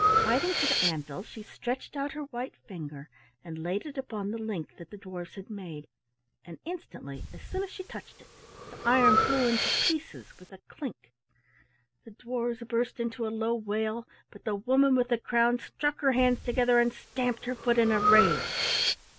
Gliding to the anvil, she stretched out her white finger and laid it upon the link that the dwarfs had made, and instantly, as soon as she touched it, the iron flew into pieces with a clink. The dwarfs burst into a low wail, but the woman with the crown struck her hands together and stamped her foot in a rage.